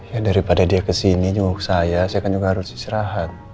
ya daripada dia kesini nyuk saya saya kan juga harus istirahat